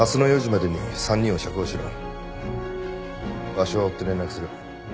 場所は追って連絡する。